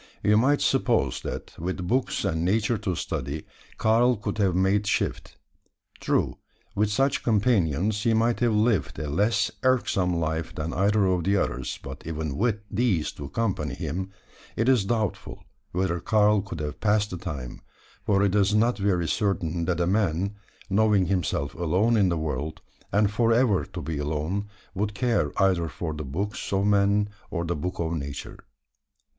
You might suppose that, with books and Nature to study, Karl could have made shift. True, with such companions he might have lived a less irksome life than either of the others; but even with these to occupy him, it is doubtful whether Karl could have passed the time; for it is not very certain, that a man knowing himself alone in the world, and for ever to be alone would care either for the books of men or the book of Nature.